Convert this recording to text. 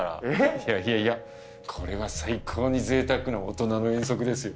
いやいやいやこれは最高にぜいたくな大人の遠足ですよ。